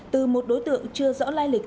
từ một đối tượng chưa rõ lai lịch